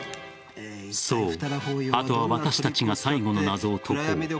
そう、また私たちが最後の謎を解こう。